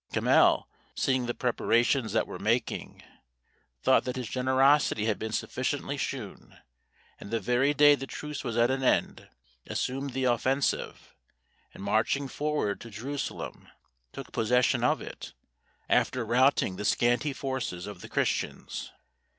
Camhel, seeing the preparations that were making, thought that his generosity had been sufficiently shewn, and the very day the truce was at an end assumed the offensive, and marching forward to Jerusalem, took possession of it, after routing the scanty forces of the Christians.